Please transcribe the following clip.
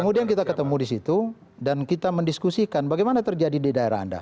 kemudian kita ketemu di situ dan kita mendiskusikan bagaimana terjadi di daerah anda